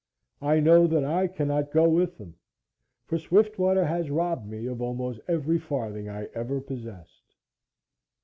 I know that I cannot go with them, for Swiftwater has robbed me of almost every farthing I ever possessed.